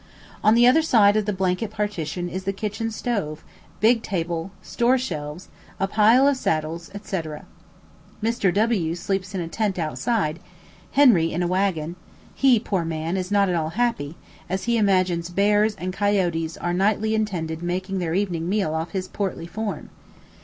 On the other side of the blanket partition is the kitchen stove, big table, store shelves, a pile of saddles, &c. Mr. W sleeps in a tent outside; Henry in a waggon: he, poor man, is not at all happy, as he imagines bears and coyotes are nightly intending making their evening meal off his portly form.